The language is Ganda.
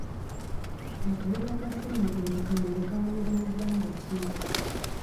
Akawuka ka ssenyiga omukambwe kawonera mu bbanga ki?